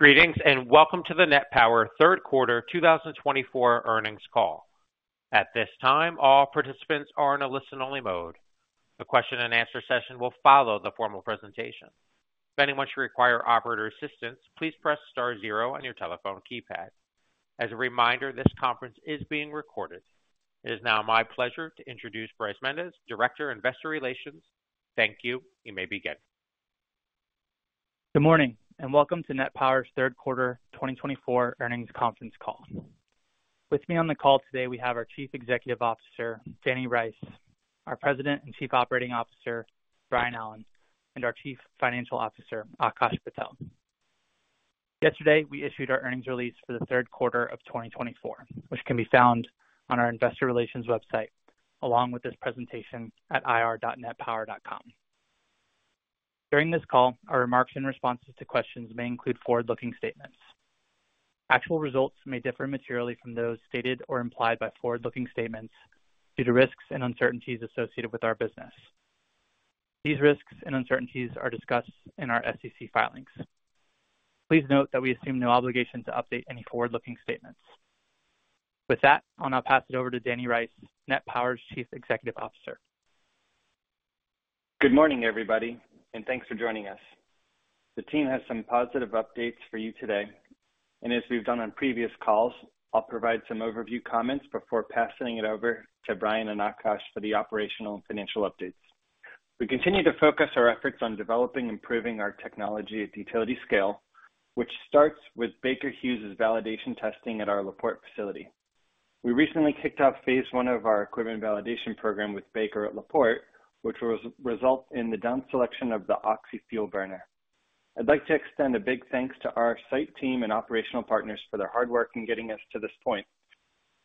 Greetings and welcome to the NET Power Third Quarter 2024 Earnings Call. At this time, all participants are in a listen-only mode. The question-and-answer session will follow the formal presentation. If anyone should require operator assistance, please press star zero on your telephone keypad. As a reminder, this conference is being recorded. It is now my pleasure to introduce Bryce Mendes, Director of Investor Relations. Thank you. You may begin. Good morning and welcome to NET Power's Third Quarter 2024 Earnings Conference Call. With me on the call today, we have our Chief Executive Officer, Danny Rice, our President and Chief Operating Officer, Brian Allen, and our Chief Financial Officer, Akash Patel. Yesterday, we issued our earnings release for the third quarter of 2024, which can be found on our Investor Relations website along with this presentation at ir.netpower.com. During this call, our remarks and responses to questions may include forward-looking statements. Actual results may differ materially from those stated or implied by forward-looking statements due to risks and uncertainties associated with our business. These risks and uncertainties are discussed in our SEC filings. Please note that we assume no obligation to update any forward-looking statements. With that, I'll now pass it over to Danny Rice, NET Power's Chief Executive Officer. Good morning, everybody, and thanks for joining us. The team has some positive updates for you today. And as we've done on previous calls, I'll provide some overview comments before passing it over to Brian and Akash for the operational and financial updates. We continue to focus our efforts on developing and improving our technology at the utility scale, which starts with Baker Hughes' validation testing at our La Porte facility. We recently kicked off phase one of our equipment validation program with Baker at La Porte, which will result in the down selection of the oxy-fuel burner. I'd like to extend a big thanks to our site team and operational partners for their hard work in getting us to this point.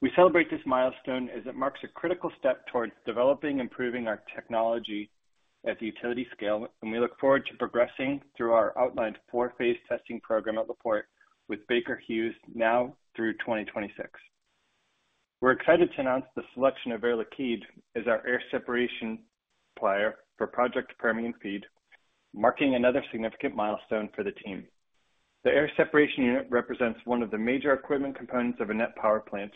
We celebrate this milestone as it marks a critical step towards developing and improving our technology at the utility scale, and we look forward to progressing through our outlined four-phase testing program at La Porte with Baker Hughes now through 2026. We're excited to announce the selection of Air Liquide as our air separation supplier for Project Permian FEED, marking another significant milestone for the team. The air separation unit represents one of the major equipment components of a NET Power plant.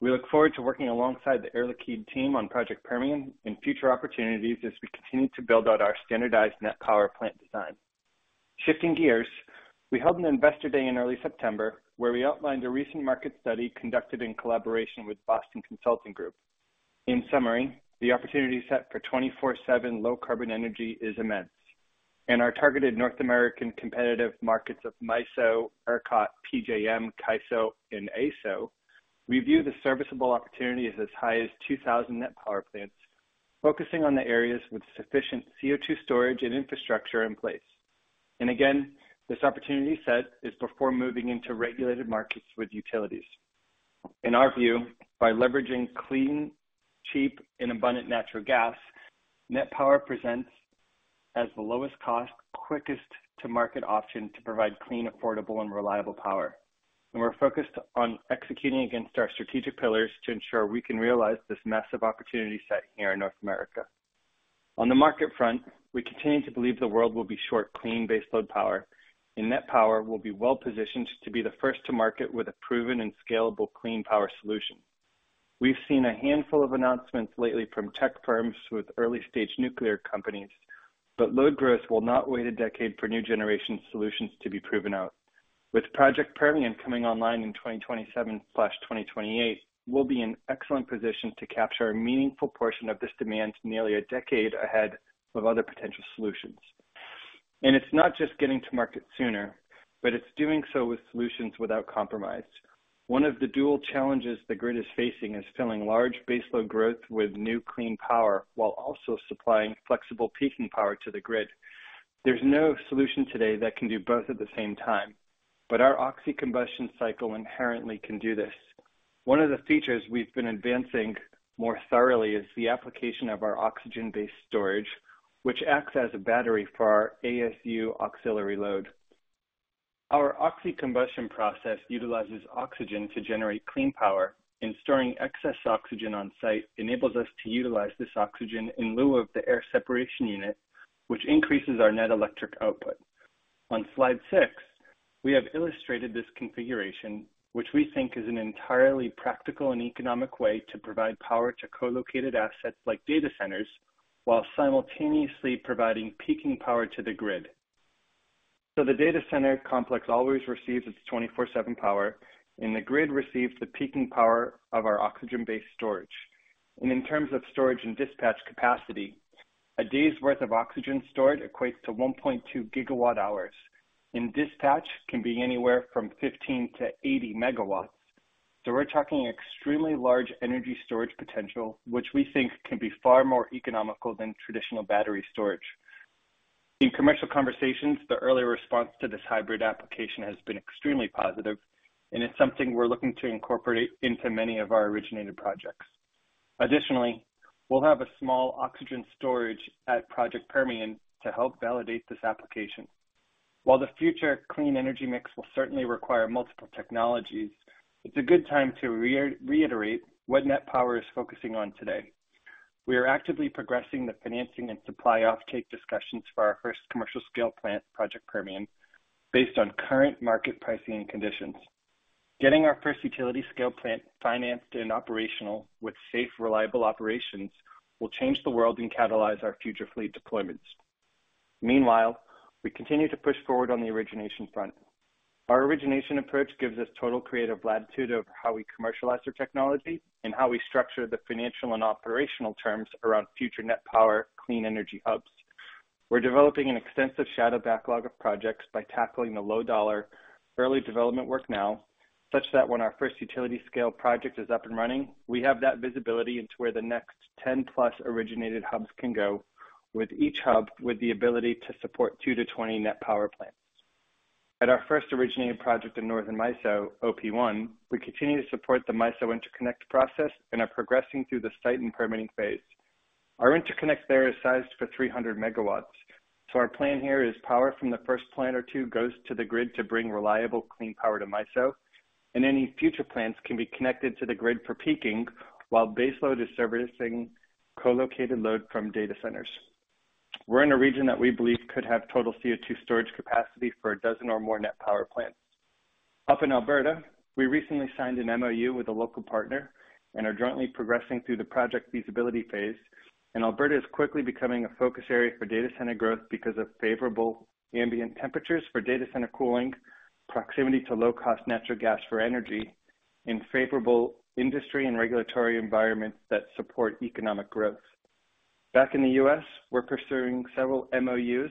We look forward to working alongside the Air Liquide team on Project Permian and future opportunities as we continue to build out our standardized NET Power plant design. Shifting gears, we held an Investor Day in early September where we outlined a recent market study conducted in collaboration with Boston Consulting Group. In summary, the opportunity set for 24/7 low carbon energy is immense, and our targeted North American competitive markets of MISO, ERCOT, PJM, CAISO, and AESO review the serviceable opportunities as high as 2,000 NET Power plants, focusing on the areas with sufficient CO2 storage and infrastructure in place. And again, this opportunity set is before moving into regulated markets with utilities. In our view, by leveraging clean, cheap, and abundant natural gas, NET Power presents as the lowest cost, quickest to market option to provide clean, affordable, and reliable power. And we're focused on executing against our strategic pillars to ensure we can realize this massive opportunity set here in North America. On the market front, we continue to believe the world will be short clean baseload power, and NET Power will be well positioned to be the first to market with a proven and scalable clean power solution. We've seen a handful of announcements lately from tech firms with early-stage nuclear companies, but load growth will not wait a decade for new generation solutions to be proven out. With Project Permian coming online in 2027-2028, we'll be in excellent position to capture a meaningful portion of this demand nearly a decade ahead of other potential solutions, and it's not just getting to market sooner, but it's doing so with solutions without compromise. One of the dual challenges the grid is facing is filling large baseload growth with new clean power while also supplying flexible peaking power to the grid. There's no solution today that can do both at the same time, but our oxy combustion cycle inherently can do this. One of the features we've been advancing more thoroughly is the application of our oxygen-based storage, which acts as a battery for our ASU auxiliary load. Our oxy-combustion process utilizes oxygen to generate clean power, and storing excess oxygen on site enables us to utilize this oxygen in lieu of the air separation unit, which increases our net electric output. On slide six, we have illustrated this configuration, which we think is an entirely practical and economic way to provide power to co-located assets like data centers while simultaneously providing peaking power to the grid. So the data center complex always receives its 24/7 power, and the grid receives the peaking power of our oxygen-based storage. And in terms of storage and dispatch capacity, a day's worth of oxygen stored equates to 1.2 gigawatt hours, and dispatch can be anywhere from 15-80 megawatts. So we're talking an extremely large energy storage potential, which we think can be far more economical than traditional battery storage. In commercial conversations, the early response to this hybrid application has been extremely positive, and it's something we're looking to incorporate into many of our originated projects. Additionally, we'll have a small oxygen storage at Project Permian to help validate this application. While the future clean energy mix will certainly require multiple technologies, it's a good time to reiterate what NET Power is focusing on today. We are actively progressing the financing and supply offtake discussions for our first commercial scale plant, Project Permian, based on current market pricing and conditions. Getting our first utility scale plant financed and operational with safe, reliable operations will change the world and catalyze our future fleet deployments. Meanwhile, we continue to push forward on the origination front. Our origination approach gives us total creative latitude over how we commercialize our technology and how we structure the financial and operational terms around future NET Power clean energy hubs. We're developing an extensive shadow backlog of projects by tackling the low-dollar early development work now, such that when our first utility-scale project is up and running, we have that visibility into where the next 10-plus originated hubs can go, with each hub with the ability to support two to 20 NET Power plants. At our first originated project in Northern MISO, OP1, we continue to support the MISO interconnect process and are progressing through the site and permitting phase. Our interconnect there is sized for 300 megawatts, so our plan here is power from the first plant or two goes to the grid to bring reliable clean power to MISO, and any future plants can be connected to the grid for peaking while baseload is servicing co-located load from data centers. We're in a region that we believe could have total CO2 storage capacity for a dozen or more NET Power plants. Up in Alberta, we recently signed an MOU with a local partner and are jointly progressing through the project feasibility phase, and Alberta is quickly becoming a focus area for data center growth because of favorable ambient temperatures for data center cooling, proximity to low cost natural gas for energy, and favorable industry and regulatory environments that support economic growth. Back in the U.S., we're pursuing several MOUs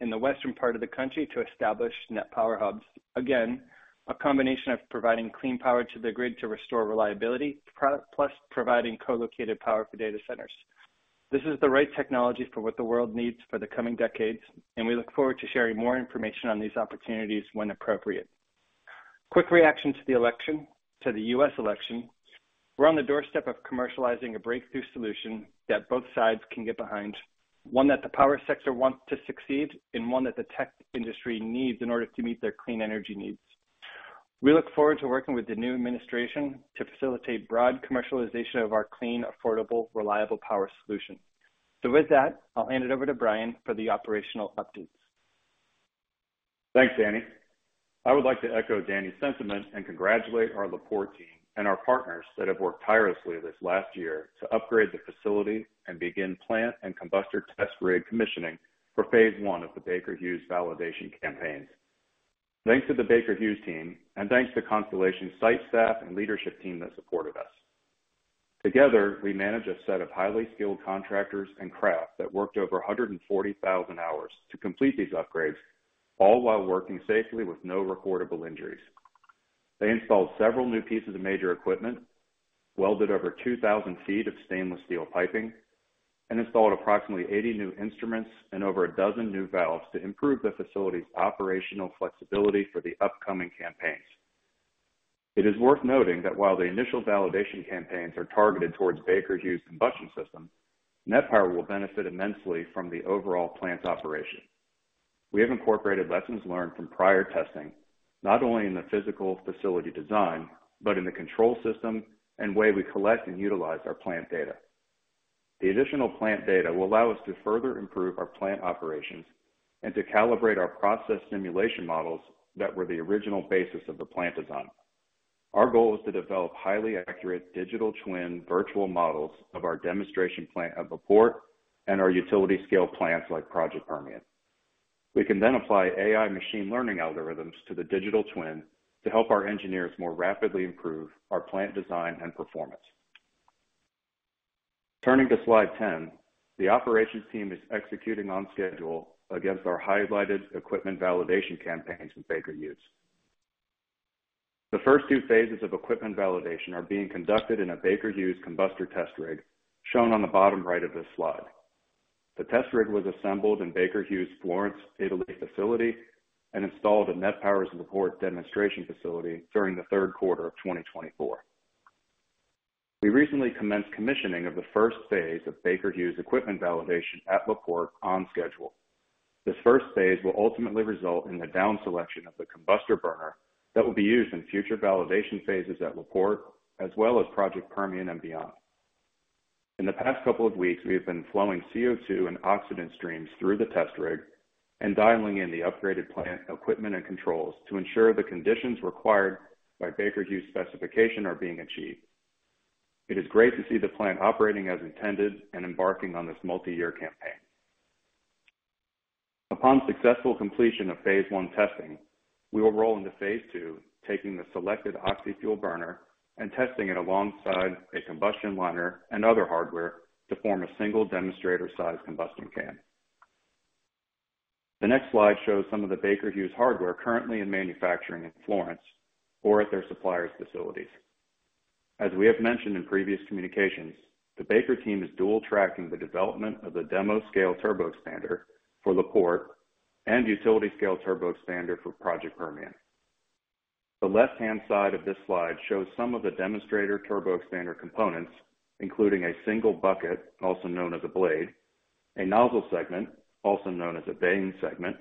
in the western part of the country to establish NET Power hubs. Again, a combination of providing clean power to the grid to restore reliability plus providing co-located power for data centers. This is the right technology for what the world needs for the coming decades, and we look forward to sharing more information on these opportunities when appropriate. Quick reaction to the election, to the U.S. election, we're on the doorstep of commercializing a breakthrough solution that both sides can get behind, one that the power sector wants to succeed and one that the tech industry needs in order to meet their clean energy needs. We look forward to working with the new administration to facilitate broad commercialization of our clean, affordable, reliable power solution. So with that, I'll hand it over to Brian for the operational updates. Thanks, Danny. I would like to echo Danny's sentiment and congratulate our La Porte team and our partners that have worked tirelessly this last year to upgrade the facility and begin plant and combustor test rig commissioning for phase one of the Baker Hughes validation campaigns. Thanks to the Baker Hughes team and thanks to Constellation site staff and leadership team that supported us. Together, we manage a set of highly skilled contractors and craft that worked over 140,000 hours to complete these upgrades, all while working safely with no recordable injuries. They installed several new pieces of major equipment, welded over 2,000 feet of stainless steel piping, and installed approximately 80 new instruments and over a dozen new valves to improve the facility's operational flexibility for the upcoming campaigns. It is worth noting that while the initial validation campaigns are targeted towards Baker Hughes' combustion system, NET Power will benefit immensely from the overall plant operation. We have incorporated lessons learned from prior testing, not only in the physical facility design, but in the control system and way we collect and utilize our plant data. The additional plant data will allow us to further improve our plant operations and to calibrate our process simulation models that were the original basis of the plant design. Our goal is to develop highly accurate digital twin virtual models of our demonstration plant at La Porte and our utility scale plants like Project Permian. We can then apply AI machine learning algorithms to the digital twin to help our engineers more rapidly improve our plant design and performance. Turning to Slide 10, the operations team is executing on schedule against our highlighted equipment validation campaigns with Baker Hughes. The first two phases of equipment validation are being conducted in a Baker Hughes combustor test rig shown on the bottom right of this slide. The test rig was assembled in Baker Hughes' Florence, Italy facility and installed at NET Power's La Porte demonstration facility during the third quarter of 2024. We recently commenced commissioning of the first phase of Baker Hughes' equipment validation at La Porte on schedule. This first phase will ultimately result in the down selection of the combustor burner that will be used in future validation phases at La Porte as well as Project Permian and beyond. In the past couple of weeks, we have been flowing CO2 and oxygen streams through the test rig and dialing in the upgraded plant equipment and controls to ensure the conditions required by Baker Hughes specification are being achieved. It is great to see the plant operating as intended and embarking on this multi-year campaign. Upon successful completion of phase one testing, we will roll into phase two, taking the selected oxy-fuel burner and testing it alongside a combustion liner and other hardware to form a single demonstrator size combustion can. The next slide shows some of the Baker Hughes hardware currently in manufacturing in Florence or at their suppliers' facilities. As we have mentioned in previous communications, the Baker team is dual tracking the development of the demo scale turboexpander for La Porte and utility scale turboexpander for Project Permian. The left-hand side of this slide shows some of the demonstrator turboexpander components, including a single bucket, also known as a blade, a nozzle segment, also known as a vane segment,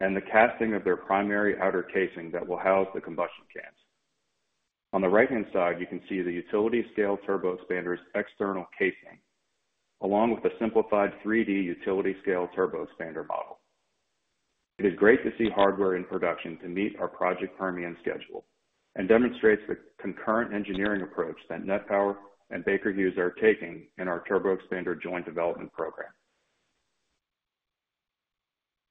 and the casting of their primary outer casing that will house the combustion cans. On the right-hand side, you can see the utility-scale turboexpander's external casing, along with a simplified 3D utility-scale turboexpander model. It is great to see hardware in production to meet our Project Permian schedule and demonstrates the concurrent engineering approach that NET Power and Baker Hughes are taking in our turboexpander joint development program.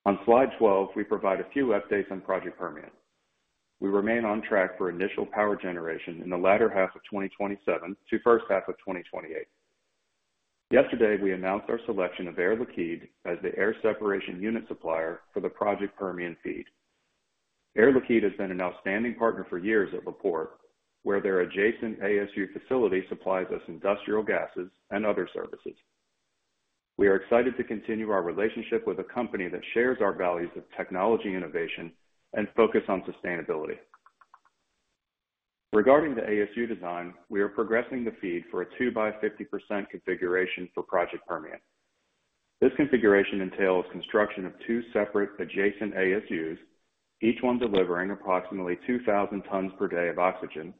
On slide 12, we provide a few updates on Project Permian. We remain on track for initial power generation in the latter half of 2027 to first half of 2028. Yesterday, we announced our selection of Air Liquide as the air separation unit supplier for the Project Permian FEED. Air Liquide has been an outstanding partner for years at La Porte, where their adjacent ASU facility supplies us industrial gases and other services. We are excited to continue our relationship with a company that shares our values of technology innovation and focus on sustainability. Regarding the ASU design, we are progressing the FEED for a 2 by 50% configuration for Project Permian. This configuration entails construction of two separate adjacent ASUs, each one delivering approximately 2,000 tons per day of oxygen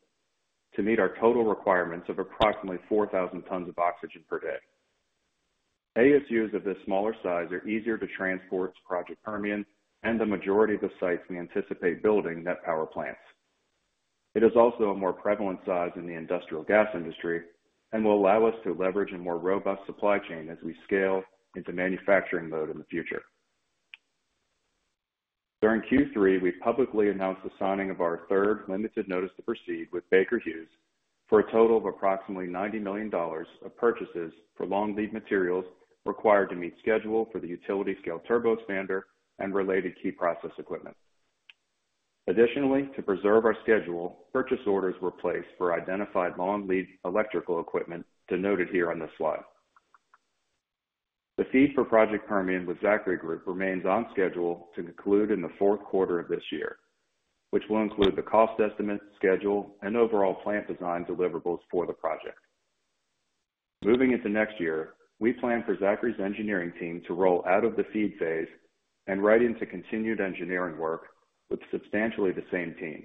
to meet our total requirements of approximately 4,000 tons of oxygen per day. ASUs of this smaller size are easier to transport to Project Permian and the majority of the sites we anticipate building NET Power plants. It is also a more prevalent size in the industrial gas industry and will allow us to leverage a more robust supply chain as we scale into manufacturing mode in the future. During Q3, we publicly announced the signing of our third Limited Notice to Proceed with Baker Hughes for a total of approximately $90 million of purchases for long lead materials required to meet schedule for the utility-scale turboexpander and related key process equipment. Additionally, to preserve our schedule, purchase orders were placed for identified long lead electrical equipment denoted here on this slide. The FEED for Project Permian with Zachry Group remains on schedule to conclude in the fourth quarter of this year, which will include the cost estimate, schedule, and overall plant design deliverables for the project. Moving into next year, we plan for Zachry's engineering team to roll out of the FEED phase and right into continued engineering work with substantially the same team.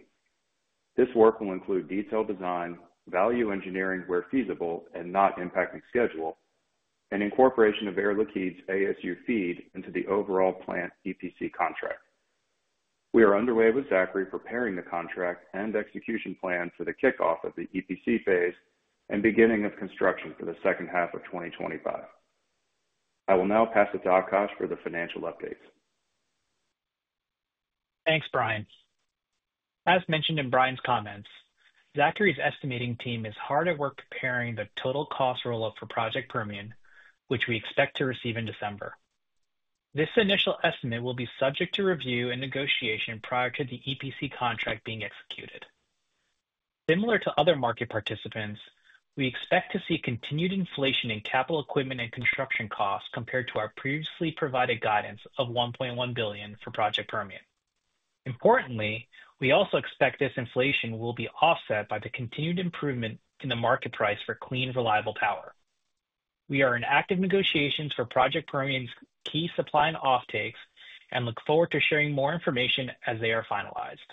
This work will include detailed design, value engineering where feasible and not impacting schedule, and incorporation of Air Liquide's ASU FEED into the overall plant EPC contract. We are underway with Zachry preparing the contract and execution plan for the kickoff of the EPC phase and beginning of construction for the second half of 2025. I will now pass it to Akash for the financial updates. Thanks, Brian. As mentioned in Brian's comments, Zachry's estimating team is hard at work preparing the total cost roll-up for Project Permian, which we expect to receive in December. This initial estimate will be subject to review and negotiation prior to the EPC contract being executed. Similar to other market participants, we expect to see continued inflation in capital equipment and construction costs compared to our previously provided guidance of $1.1 billion for Project Permian. Importantly, we also expect this inflation will be offset by the continued improvement in the market price for clean, reliable power. We are in active negotiations for Project Permian's key supply and offtakes and look forward to sharing more information as they are finalized.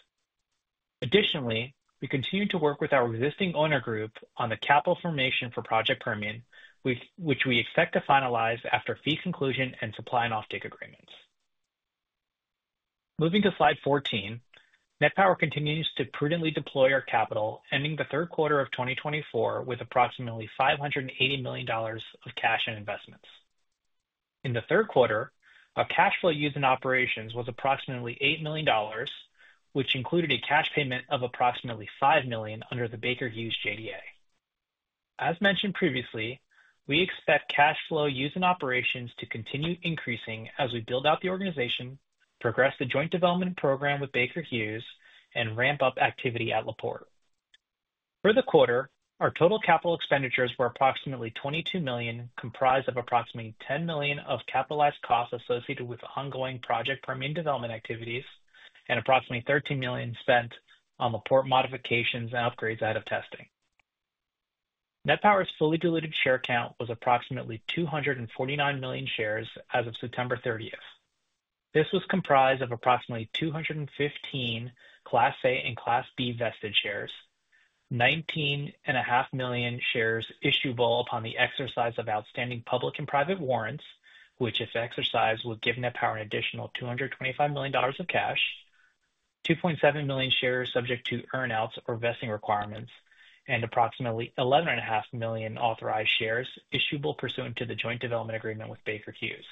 Additionally, we continue to work with our existing owner group on the capital formation for Project Permian, which we expect to finalize after FID conclusion and supply and offtake agreements. Moving to slide 14, NET Power continues to prudently deploy our capital, ending the third quarter of 2024 with approximately $580 million of cash and investments. In the third quarter, our cash flow use and operations was approximately $8 million, which included a cash payment of approximately $5 million under the Baker Hughes JDA. As mentioned previously, we expect cash flow use and operations to continue increasing as we build out the organization, progress the joint development program with Baker Hughes, and ramp up activity at La Porte. For the quarter, our total capital expenditures were approximately $22 million, comprised of approximately $10 million of capitalized costs associated with ongoing Project Permian development activities and approximately $13 million spent on La Porte modifications and upgrades out of testing. NET Power's fully diluted share count was approximately 249 million shares as of September 30th. This was comprised of approximately 215 Class A and Class B vested shares, 19.5 million shares issuable upon the exercise of outstanding public and private warrants, which, if exercised, will give NET Power an additional $225 million of cash, 2.7 million shares subject to earnouts or vesting requirements, and approximately 11.5 million authorized shares issuable pursuant to the joint development agreement with Baker Hughes.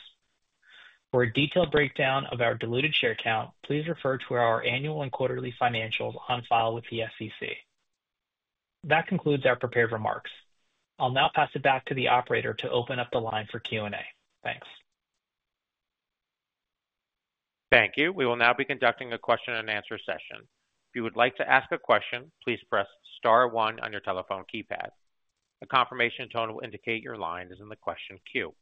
For a detailed breakdown of our diluted share count, please refer to our annual and quarterly financials on file with the SEC. That concludes our prepared remarks. I'll now pass it back to the operator to open up the line for Q&A. Thanks. Thank you. We will now be conducting a question and answer session. If you would like to ask a question, please press star one on your telephone keypad. A confirmation tone will indicate your line is in the question queue.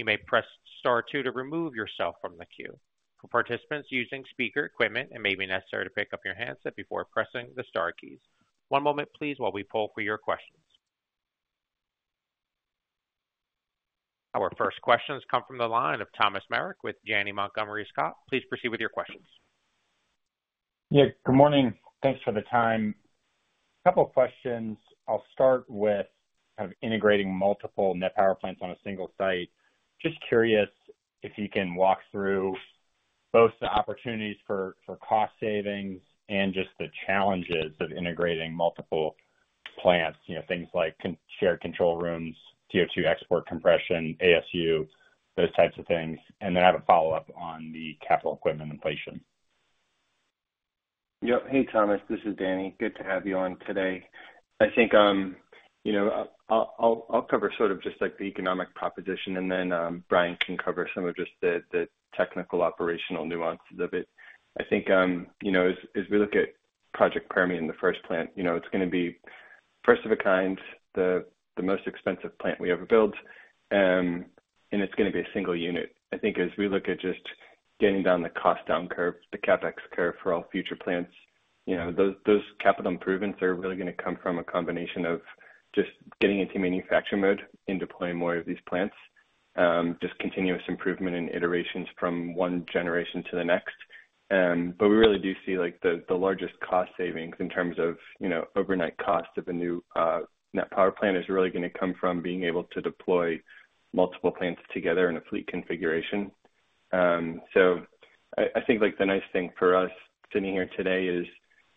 You may press star two to remove yourself from the queue. For participants using speaker equipment, it may be necessary to pick up your handset before pressing the star keys. One moment, please, while we pull for your questions. Our first questions come from the line of Thomas Meric with Janney Montgomery Scott. Please proceed with your questions. Yeah, good morning. Thanks for the time. A couple of questions. I'll start with kind of integrating multiple NET Power plants on a single site. Just curious if you can walk through both the opportunities for cost savings and just the challenges of integrating multiple plants, you know, things like shared control rooms, CO2 export compression, ASU, those types of things? And then I have a follow-up on the capital equipment inflation. Yep. Hey, Thomas. This is Danny. Good to have you on today. I think, you know, I'll cover sort of just like the economic proposition, and then Brian can cover some of just the technical operational nuances of it. I think, you know, as we look at Project Permian, the first plant, you know, it's going to be first of a kind, the most expensive plant we ever built, and it's going to be a single unit. I think as we look at just getting down the cost down curve, the CapEx curve for all future plants, you know, those capital improvements are really going to come from a combination of just getting into manufacturing mode and deploying more of these plants, just continuous improvement and iterations from one generation to the next. But we really do see like the largest cost savings in terms of, you know, overnight costs of a new NET Power plant is really going to come from being able to deploy multiple plants together in a fleet configuration. So I think like the nice thing for us sitting here today is,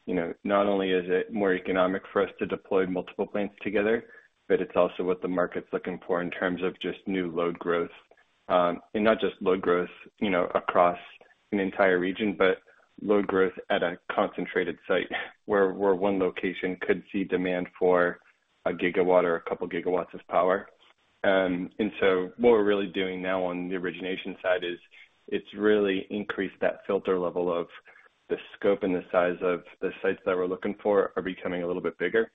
you know, not only is it more economic for us to deploy multiple plants together, but it's also what the market's looking for in terms of just new load growth. And not just load growth, you know, across an entire region, but load growth at a concentrated site where one location could see demand for a gigawatt or a couple of gigawatts of power. And so what we're really doing now on the origination side is. It's really increased that filter level of the scope and the size of the sites that we're looking for are becoming a little bit bigger.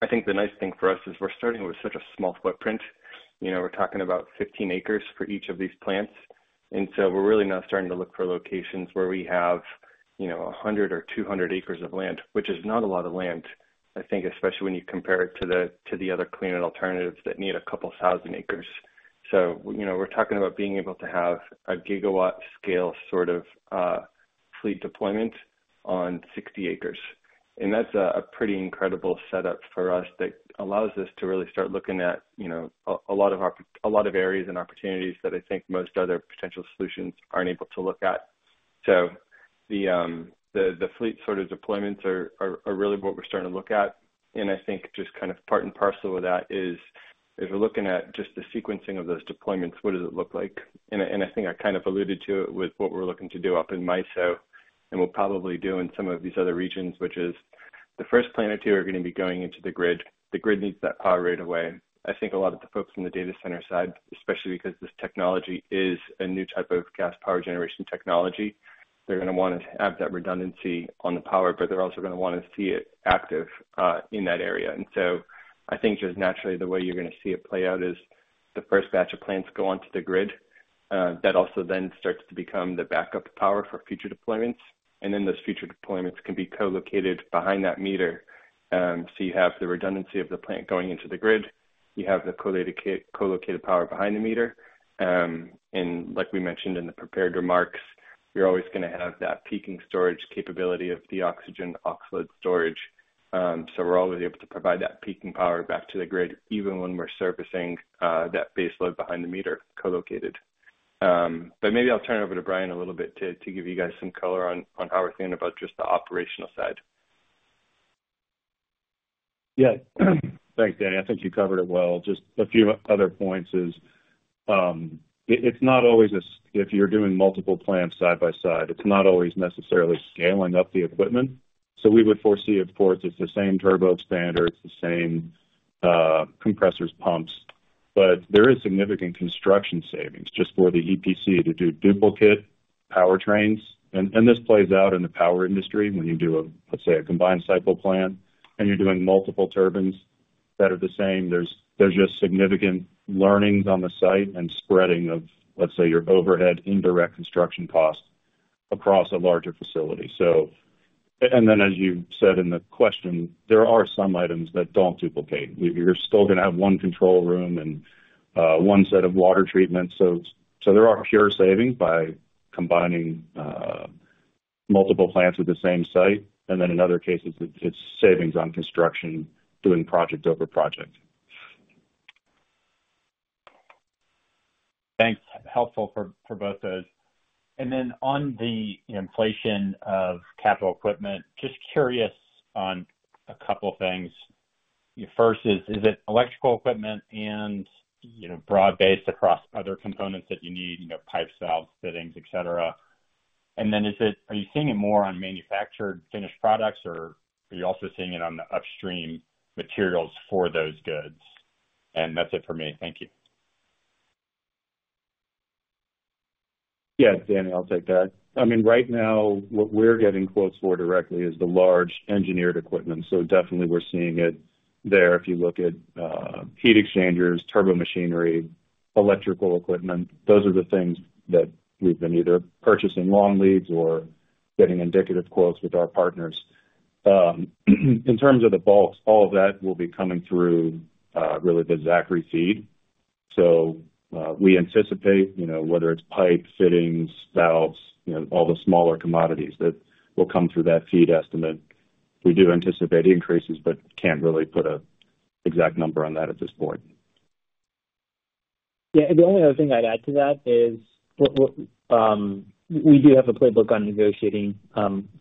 I think the nice thing for us is we're starting with such a small footprint. You know, we're talking about 15 acres for each of these plants. And so we're really now starting to look for locations where we have, you know, 100 or 200 acres of land, which is not a lot of land, I think, especially when you compare it to the other cleaner alternatives that need a couple of thousand acres. So, you know, we're talking about being able to have a gigawatt scale sort of fleet deployment on 60 acres. And that's a pretty incredible setup for us that allows us to really start looking at, you know, a lot of areas and opportunities that I think most other potential solutions aren't able to look at. So the fleet sort of deployments are really what we're starting to look at. And I think just kind of part and parcel of that is if we're looking at just the sequencing of those deployments, what does it look like? And I think I kind of alluded to it with what we're looking to do up in MISO and we'll probably do in some of these other regions, which is the first plant or two are going to be going into the grid. The grid needs that power right away. I think a lot of the folks in the data center side, especially because this technology is a new type of gas power generation technology, they're going to want to have that redundancy on the power, but they're also going to want to see it active in that area, and so I think just naturally the way you're going to see it play out is the first batch of plants go onto the grid. That also then starts to become the backup power for future deployments, and then those future deployments can be co-located behind that meter, so you have the redundancy of the plant going into the grid. You have the co-located power behind the meter, and like we mentioned in the prepared remarks, we're always going to have that peaking storage capability of the oxygen and CO2 storage. So we're always able to provide that peaking power back to the grid, even when we're servicing that baseload behind the meter co-located. But maybe I'll turn it over to Brian a little bit to give you guys some color on how we're thinking about just the operational side. Yeah. Thanks, Danny. I think you covered it well. Just a few other points is it's not always if you're doing multiple plants side by side, it's not always necessarily scaling up the equipment. So we would foresee, of course, it's the same turboexpander, it's the same compressors, pumps, but there is significant construction savings just for the EPC to do duplicate power trains. And this plays out in the power industry when you do a, let's say, a combined cycle plant and you're doing multiple turbines that are the same. There's just significant learnings on the site and spreading of, let's say, your overhead indirect construction costs across a larger facility. And then, as you said in the question, there are some items that don't duplicate. You're still going to have one control room and one set of water treatments. So there are pure savings by combining multiple plants at the same site. And then in other cases, it's savings on construction doing project-over-project. Thanks. Helpful for both of those. And then on the inflation of capital equipment, just curious on a couple of things. First is, is it electrical equipment and broad-based across other components that you need, you know, pipe valves, fittings, etc.? And then is it, are you seeing it more on manufactured finished products or are you also seeing it on the upstream materials for those goods? And that's it for me. Thank you. Yeah, Danny, I'll take that. I mean, right now what we're getting quotes for directly is the large engineered equipment. So definitely we're seeing it there. If you look at heat exchangers, turbo machinery, electrical equipment, those are the things that we've been either purchasing long leads or getting indicative quotes with our partners. In terms of the bulk, all of that will be coming through really the Zachry FEED. So we anticipate, you know, whether it's pipe fittings, valves, you know, all the smaller commodities that will come through that FEED estimate. We do anticipate increases, but can't really put an exact number on that at this point. Yeah. The only other thing I'd add to that is we do have a playbook on negotiating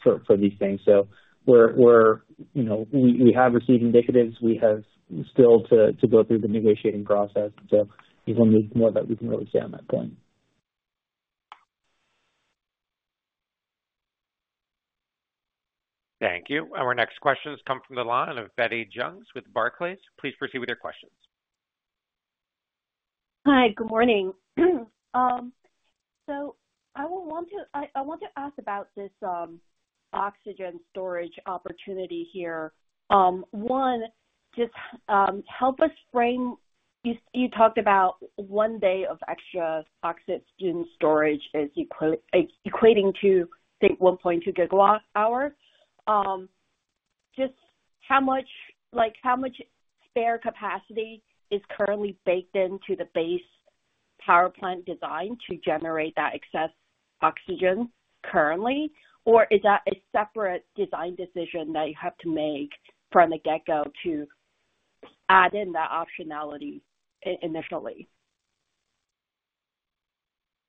for these things. So we're, you know, we have received indicatives. We have still to go through the negotiating process. So if we need more of that, we can really stay on that point. Thank you. Our next questions come from the line of Betty Jiang with Barclays. Please proceed with your questions. Hi, good morning. So I want to ask about this oxygen storage opportunity here. One, just help us frame. You talked about one day of extra oxygen storage is equating to, I think, 1.2 gigawatt hour. Just how much, like how much spare capacity is currently baked into the base power plant design to generate that excess oxygen currently? Or is that a separate design decision that you have to make from the get-go to add in that optionality initially?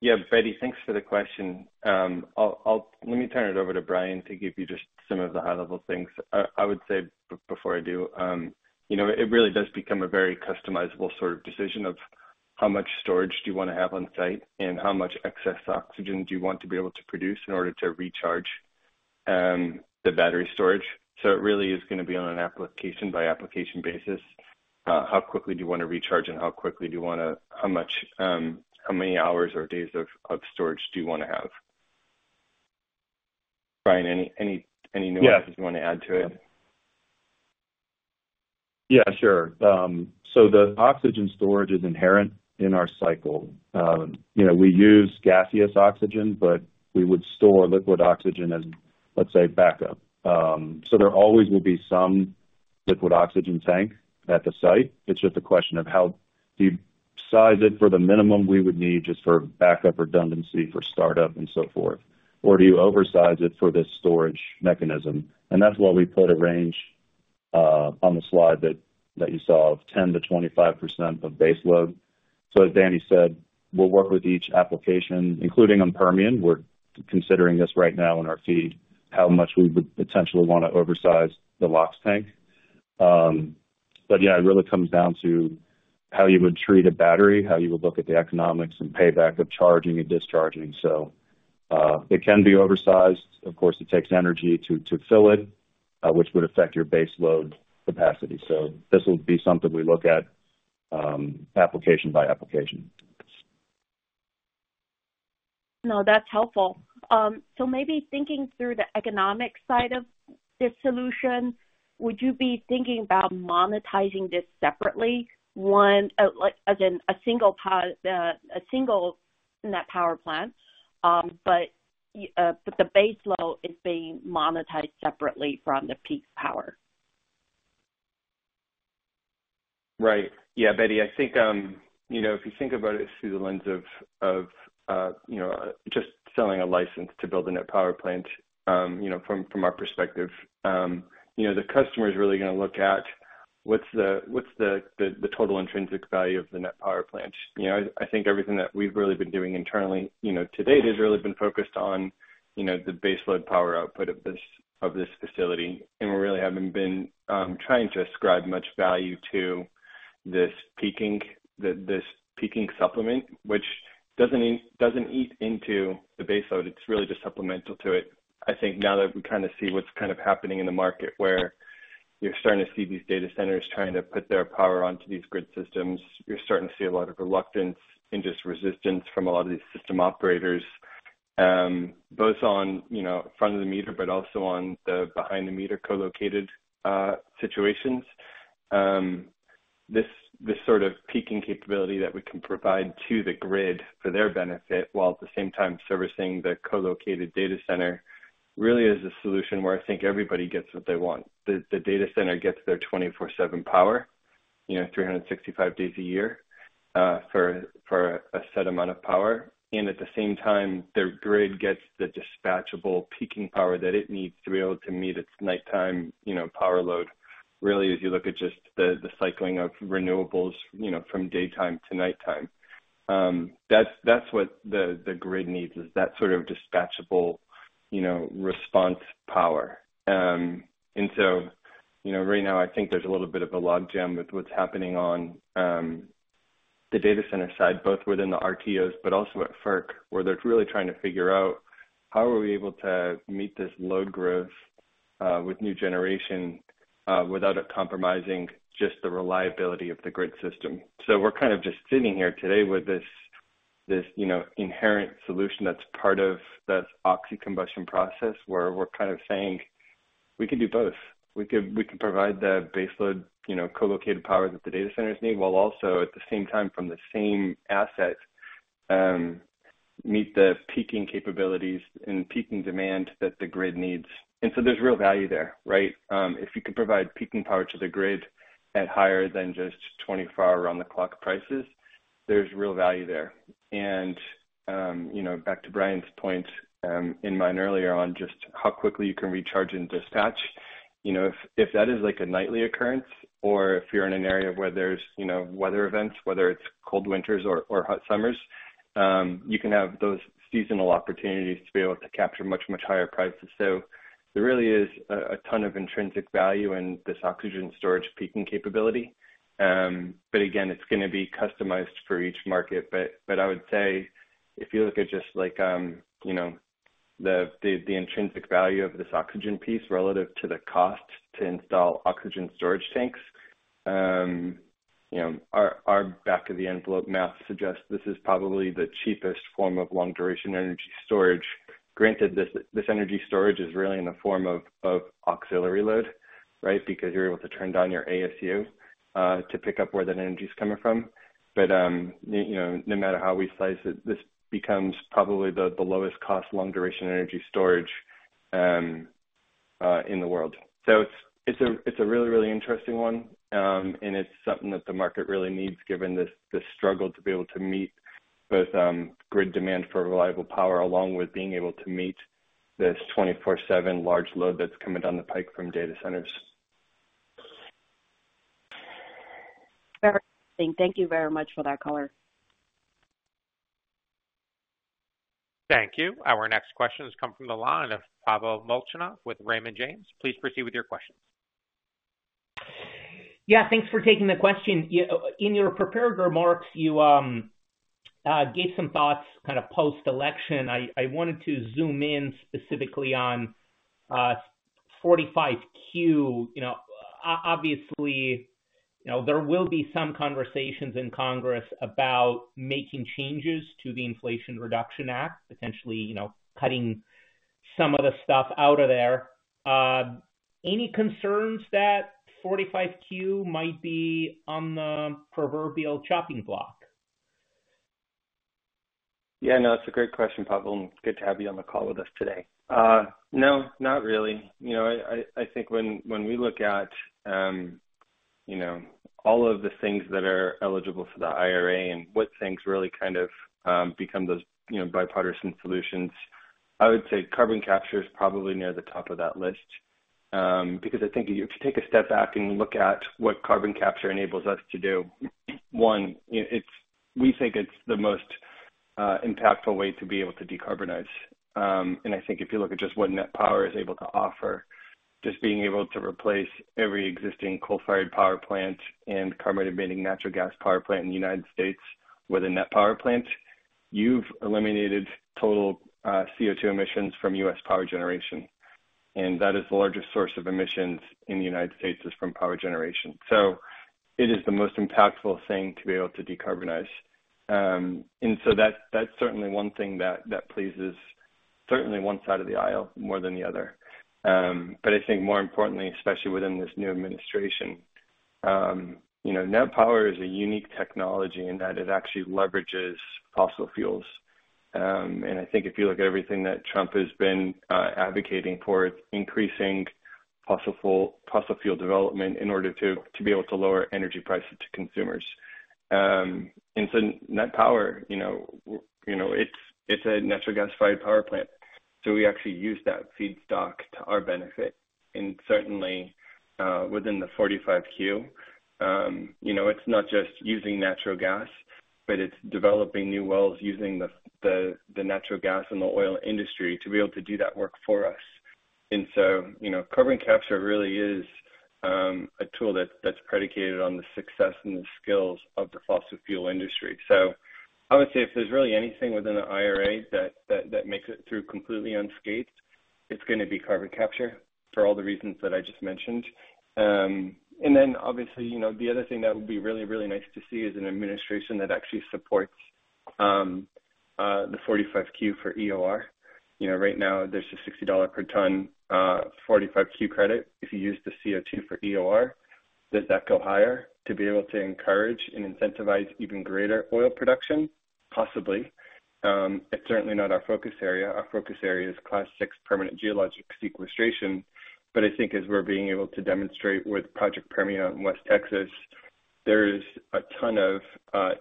Yeah, Betty, thanks for the question. Let me turn it over to Brian to give you just some of the high-level things. I would say before I do, you know, it really does become a very customizable sort of decision of how much storage do you want to have on site and how much excess oxygen do you want to be able to produce in order to recharge the battery storage. So it really is going to be on an application by application basis. How quickly do you want to recharge and how many hours or days of storage do you want to have? Brian, any nuances you want to add to it? Yeah, sure. So the oxygen storage is inherent in our cycle. You know, we use gaseous oxygen, but we would store liquid oxygen as, let's say, backup. So there always will be some liquid oxygen tank at the site. It's just a question of how do you size it for the minimum we would need just for backup redundancy for startup and so forth? Or do you oversize it for this storage mechanism? And that's why we put a range on the slide that you saw of 10%-25% of baseload. So as Danny said, we'll work with each application, including on Permian. We're considering this right now in our FEED, how much we would potentially want to oversize the LOX tank. But yeah, it really comes down to how you would treat a battery, how you would look at the economics and payback of charging and discharging. So it can be oversized. Of course, it takes energy to fill it, which would affect your baseload capacity. So this will be something we look at application by application. No, that's helpful. So maybe thinking through the economic side of this solution, would you be thinking about monetizing this separately, one, like as a single NET Power Plant, but the baseload is being monetized separately from the peak power? Right. Yeah, Betty, I think, you know, if you think about it through the lens of, you know, just selling a license to build a NET Power plant, you know, from our perspective, you know, the customer is really going to look at what's the total intrinsic value of the NET Power plant. You know, I think everything that we've really been doing internally, you know, to date has really been focused on, you know, the baseload power output of this facility, and we really haven't been trying to ascribe much value to this peaking supplement, which doesn't eat into the baseload. It's really just supplemental to it. I think now that we kind of see what's kind of happening in the market where you're starting to see these data centers trying to put their power onto these grid systems, you're starting to see a lot of reluctance and just resistance from a lot of these system operators, both on, you know, front of the meter, but also on the behind the meter co-located situations. This sort of peaking capability that we can provide to the grid for their benefit while at the same time servicing the co-located data center really is a solution where I think everybody gets what they want. The data center gets their 24/7 power, you know, 365 days a year for a set amount of power, and at the same time, their grid gets the dispatchable peaking power that it needs to be able to meet its nighttime, you know, power load. Really, as you look at just the cycling of renewables, you know, from daytime to nighttime, that's what the grid needs is that sort of dispatchable, you know, response power. And so, you know, right now, I think there's a little bit of a log jam with what's happening on the data center side, both within the RTOs, but also at FERC, where they're really trying to figure out how are we able to meet this load growth with new generation without compromising just the reliability of the grid system, so we're kind of just sitting here today with this, you know, inherent solution that's part of the oxy combustion process where we're kind of saying we can do both. We can provide the baseload, you know, co-located power that the data centers need while also at the same time from the same asset meet the peaking capabilities and peaking demand that the grid needs. And so there's real value there, right? If you can provide peaking power to the grid at higher than just 24-hour round-the-clock prices, there's real value there. And, you know, back to Brian's point and mine earlier on just how quickly you can recharge and dispatch, you know, if that is like a nightly occurrence or if you're in an area where there's, you know, weather events, whether it's cold winters or hot summers, you can have those seasonal opportunities to be able to capture much, much higher prices. So there really is a ton of intrinsic value in this oxygen storage peaking capability. But again, it's going to be customized for each market. I would say if you look at just like, you know, the intrinsic value of this oxygen piece relative to the cost to install oxygen storage tanks, you know, our back-of-the-envelope math suggests this is probably the cheapest form of long-duration energy storage. Granted, this energy storage is really in the form of auxiliary load, right? Because you're able to turn down your ASU to pick up where that energy is coming from. But, you know, no matter how we slice it, this becomes probably the lowest cost long-duration energy storage in the world. So it's a really, really interesting one. And it's something that the market really needs given the struggle to be able to meet both grid demand for reliable power along with being able to meet this 24/7 large load that's coming down the pike from data centers. Very interesting. Thank you very much for that colour. Thank you. Our next question has come from the line of Pavel Molchanov with Raymond James. Please proceed with your questions. Yeah, thanks for taking the question. In your prepared remarks, you gave some thoughts kind of post-election. I wanted to zoom in specifically on 45Q. You know, obviously, you know, there will be some conversations in Congress about making changes to the Inflation Reduction Act, potentially, you know, cutting some of the stuff out of there. Any concerns that 45Q might be on the proverbial chopping block? Yeah, no, that's a great question, Pavel. Good to have you on the call with us today. No, not really. You know, I think when we look at, you know, all of the things that are eligible for the IRA and what things really kind of become those, you know, bipartisan solutions, I would say carbon capture is probably near the top of that list. Because I think if you take a step back and look at what carbon capture enables us to do, one, we think it's the most impactful way to be able to decarbonize. And I think if you look at just what NET Power is able to offer, just being able to replace every existing coal-fired power plant and carbon-emitting natural gas power plant in the United States with a NET Power plant, you've eliminated total CO2 emissions from U.S. power generation. And that is the largest source of emissions in the United States, is from power generation. So it is the most impactful thing to be able to decarbonize. And so that's certainly one thing that pleases one side of the aisle more than the other. But I think more importantly, especially within this new administration, you know, NET Power is a unique technology in that it actually leverages fossil fuels. And I think if you look at everything that Trump has been advocating for, it's increasing fossil fuel development in order to be able to lower energy prices to consumers. And so NET Power, you know, it's a natural gas-fired power plant. So we actually use that feedstock to our benefit. Certainly within the 45Q, you know, it's not just using natural gas, but it's developing new wells using the natural gas and the oil industry to be able to do that work for us. So, you know, carbon capture really is a tool that's predicated on the success and the skills of the fossil fuel industry. I would say if there's really anything within the IRA that makes it through completely unscathed, it's going to be carbon capture for all the reasons that I just mentioned. Then obviously, you know, the other thing that would be really, really nice to see is an administration that actually supports the 45Q for EOR. You know, right now there's a $60 per ton 45Q credit if you use the CO2 for EOR. Does that go higher to be able to encourage and incentivize even greater oil production? Possibly. It's certainly not our focus area. Our focus area is Class 6 permanent geologic sequestration, but I think as we're being able to demonstrate with Project Permian in West Texas, there is a ton of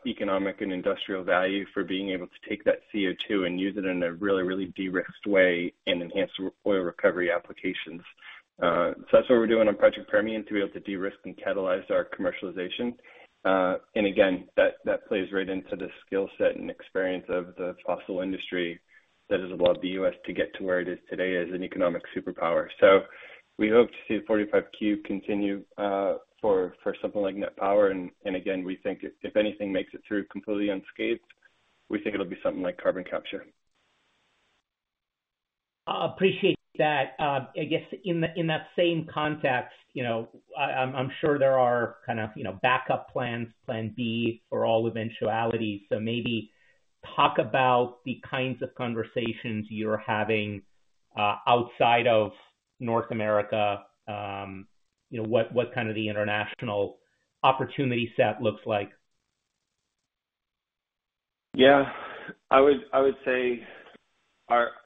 economic and industrial value for being able to take that CO2 and use it in a really, really de-risked way and enhance oil recovery applications, so that's what we're doing on Project Permian to be able to de-risk and catalyze our commercialization, and again, that plays right into the skill set and experience of the fossil industry that has allowed the U.S. to get to where it is today as an economic superpower, so we hope to see the 45Q continue for something like NET Power, and again, we think if anything makes it through completely unscathed, we think it'll be something like carbon capture. I appreciate that. I guess in that same context, you know, I'm sure there are kind of, you know, backup plans, plan B for all eventualities. So maybe talk about the kinds of conversations you're having outside of North America, you know, what kind of the international opportunity set looks like. Yeah, I would say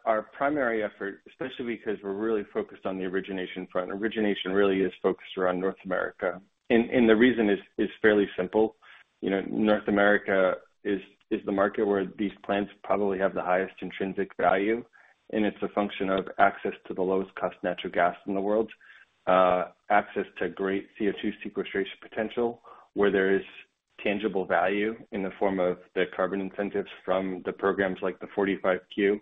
our primary effort, especially because we're really focused on the origination front, origination really is focused around North America. And the reason is fairly simple. You know, North America is the market where these plants probably have the highest intrinsic value. And it's a function of access to the lowest cost natural gas in the world, access to great CO2 sequestration potential where there is tangible value in the form of the carbon incentives from the programs like the 45Q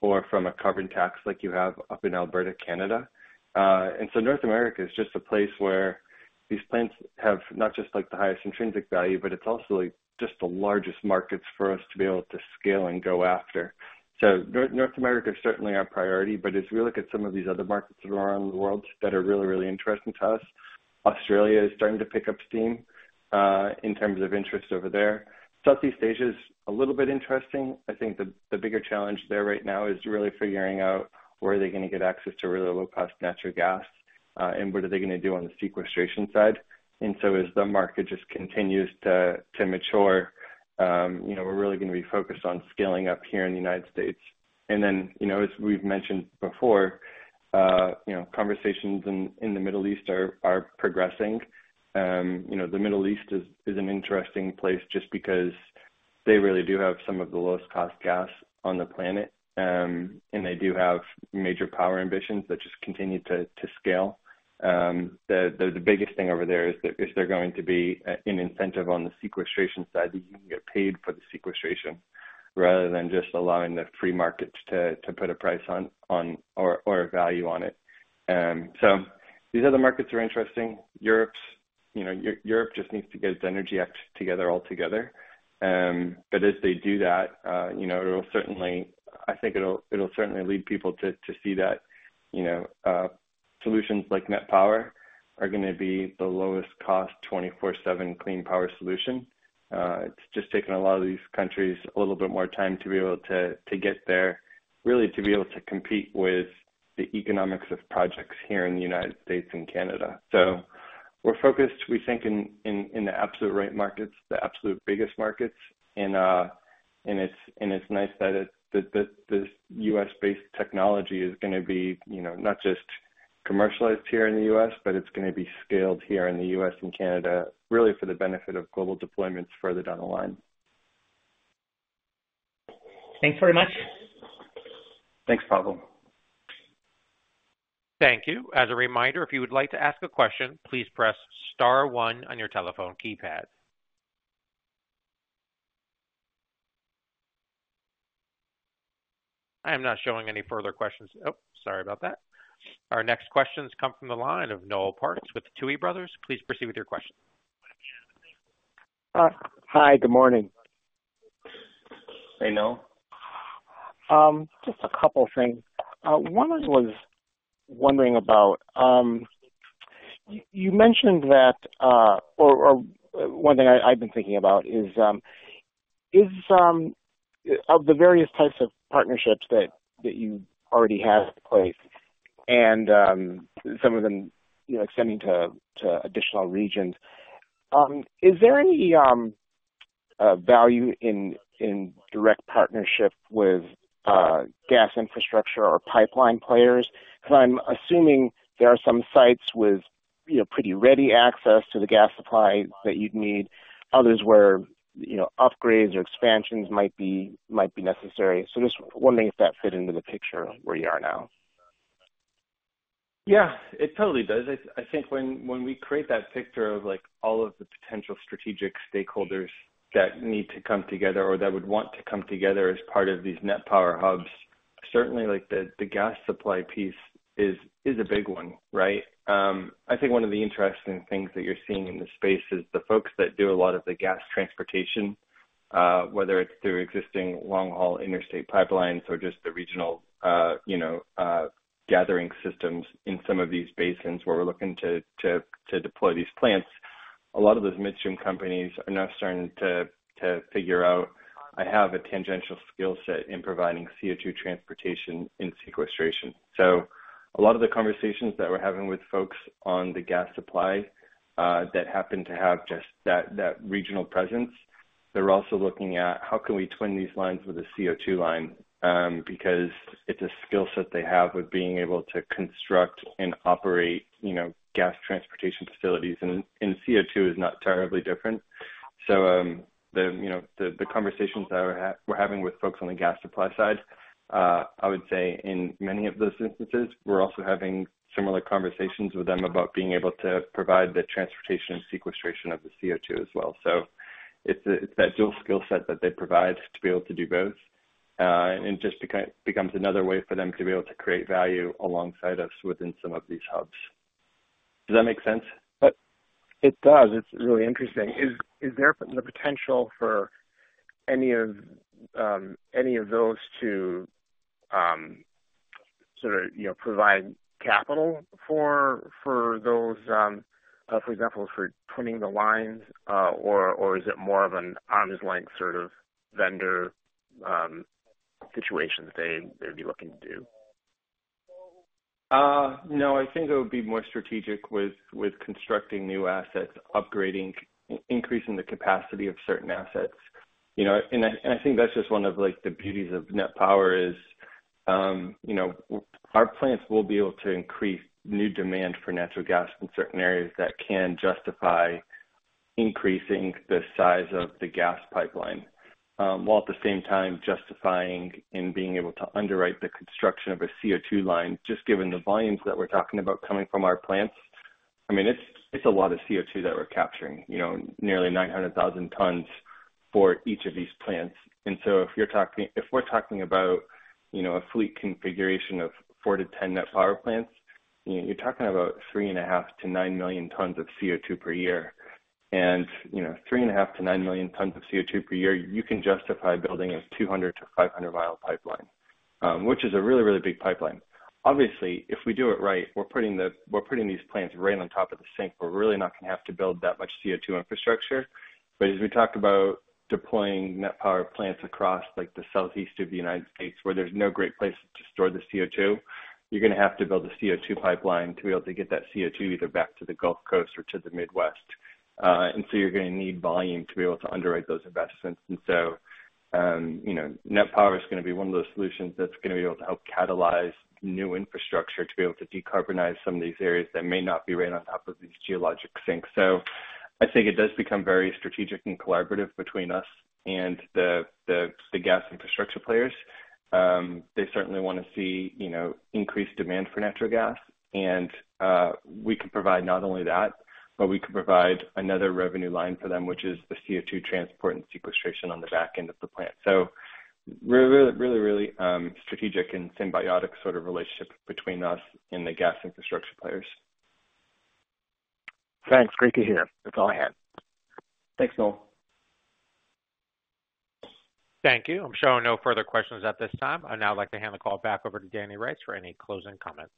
or from a carbon tax like you have up in Alberta, Canada. And so North America is just a place where these plants have not just like the highest intrinsic value, but it's also just the largest markets for us to be able to scale and go after. So North America is certainly our priority. But as we look at some of these other markets around the world that are really, really interesting to us, Australia is starting to pick up steam in terms of interest over there. Southeast Asia is a little bit interesting. I think the bigger challenge there right now is really figuring out where are they going to get access to really low-cost natural gas and what are they going to do on the sequestration side. And so as the market just continues to mature, you know, we're really going to be focused on scaling up here in the United States. And then, you know, as we've mentioned before, you know, conversations in the Middle East are progressing. You know, the Middle East is an interesting place just because they really do have some of the lowest cost gas on the planet. They do have major power ambitions that just continue to scale. The biggest thing over there is that if there's going to be an incentive on the sequestration side, that you can get paid for the sequestration rather than just allowing the free market to put a price on or a value on it. So these other markets are interesting. Europe, you know, Europe just needs to get its energy act together altogether. But as they do that, you know, it'll certainly, I think it'll certainly lead people to see that, you know, solutions like NET Power are going to be the lowest cost 24/7 clean power solution. It's just taken a lot of these countries a little bit more time to be able to get there, really to be able to compete with the economics of projects here in the United States and Canada. So we're focused, we think, in the absolute right markets, the absolute biggest markets. And it's nice that this U.S.-based technology is going to be, you know, not just commercialized here in the U.S., but it's going to be scaled here in the U.S. and Canada really for the benefit of global deployments further down the line. Thanks very much. Thanks, Pavel. Thank you. As a reminder, if you would like to ask a question, please press star one on your telephone keypad. I am not showing any further questions. Oh, sorry about that. Our next questions come from the line of Noel Parks with Tuohy Brothers. Please proceed with your questions. Hi, good morning. Hey, Noel. Just a couple of things. One I was wondering about, you mentioned that, or one thing I've been thinking about is of the various types of partnerships that you already have in place and some of them, you know, extending to additional regions. Is there any value in direct partnership with gas infrastructure or pipeline players? Because I'm assuming there are some sites with, you know, pretty ready access to the gas supply that you'd need, others where, you know, upgrades or expansions might be necessary. So just wondering if that fit into the picture where you are now. Yeah, it totally does. I think when we create that picture of like all of the potential strategic stakeholders that need to come together or that would want to come together as part of these NET Power hubs, certainly like the gas supply piece is a big one, right? I think one of the interesting things that you're seeing in the space is the folks that do a lot of the gas transportation, whether it's through existing long-haul interstate pipelines or just the regional, you know, gathering systems in some of these basins where we're looking to deploy these plants, a lot of those midstream companies are now starting to figure out, I have a tangential skill set in providing CO2 transportation and sequestration. So a lot of the conversations that we're having with folks on the gas supply that happen to have just that regional presence, they're also looking at how can we twin these lines with a CO2 line because it's a skill set they have of being able to construct and operate, you know, gas transportation facilities. And CO2 is not terribly different. So the, you know, the conversations that we're having with folks on the gas supply side, I would say in many of those instances, we're also having similar conversations with them about being able to provide the transportation and sequestration of the CO2 as well. So it's that dual skill set that they provide to be able to do both. And it just becomes another way for them to be able to create value alongside us within some of these hubs. Does that make sense? It does. It's really interesting. Is there the potential for any of those to sort of, you know, provide capital for those, for example, for twinning the lines, or is it more of an arm's length sort of vendor situation that they would be looking to do? No, I think it would be more strategic with constructing new assets, upgrading, increasing the capacity of certain assets. You know, and I think that's just one of like the beauties of NET Power is, you know, our plants will be able to increase new demand for natural gas in certain areas that can justify increasing the size of the gas pipeline while at the same time justifying and being able to underwrite the construction of a CO2 line just given the volumes that we're talking about coming from our plants. I mean, it's a lot of CO2 that we're capturing, you know, nearly 900,000 tons for each of these plants. And so if you're talking, if we're talking about, you know, a fleet configuration of four to 10 NET Power plants, you're talking about three and a half to nine million tons of CO2 per year. You know, three and a half to nine million tons of CO2 per year. You can justify building a 200-500-mile pipeline, which is a really, really big pipeline. Obviously, if we do it right, we're putting these plants right on top of the sink. We're really not going to have to build that much CO2 infrastructure. But as we talked about deploying NET Power plants across like the Southeast of the United States where there's no great place to store the CO2, you're going to have to build a CO2 pipeline to be able to get that CO2 either back to the Gulf Coast or to the Midwest. So you're going to need volume to be able to underwrite those investments. And so, you know, NET Power is going to be one of those solutions that's going to be able to help catalyze new infrastructure to be able to decarbonize some of these areas that may not be right on top of these geologic sinks. So I think it does become very strategic and collaborative between us and the gas infrastructure players. They certainly want to see, you know, increased demand for natural gas. And we can provide not only that, but we can provide another revenue line for them, which is the CO2 transport and sequestration on the back end of the plant. So really, really, really strategic and symbiotic sort of relationship between us and the gas infrastructure players. Thanks. Great to hear. That's all I had. Thanks, Noel. Thank you. I'm showing no further questions at this time. I'd now like to hand the call back over to Danny Rice for any closing comments.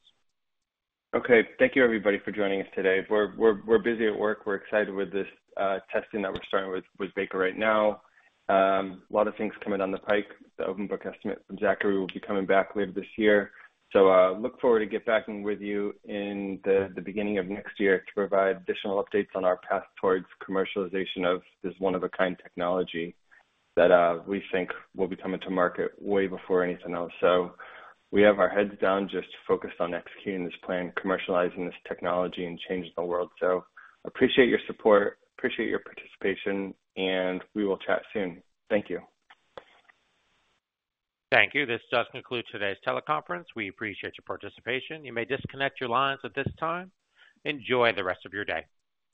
Okay. Thank you, everybody, for joining us today. We're busy at work. We're excited with this testing that we're starting with Baker right now. A lot of things coming down the pike. The open book estimate from Zachry will be coming back later this year. So look forward to get back in with you in the beginning of next year to provide additional updates on our path towards commercialization of this one-of-a-kind technology that we think will be coming to market way before anything else. So we have our heads down just focused on executing this plan, commercializing this technology, and changing the world. So appreciate your support, appreciate your participation, and we will chat soon. Thank you. Thank you. This does conclude today's teleconference. We appreciate your participation. You may disconnect your lines at this time. Enjoy the rest of your day.